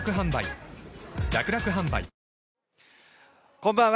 こんばんは。